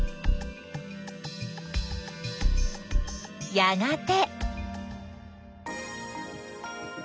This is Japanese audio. やがて。